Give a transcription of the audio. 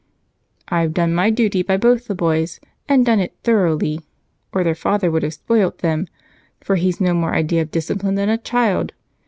"I've done my duty by both the boys, and done it thoroughly, or their father would have spoilt them, for he's no more idea of discipline than a child."